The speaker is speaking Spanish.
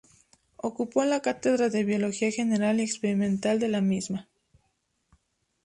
Ocupó la cátedra de Biología General y Experimental de la misma.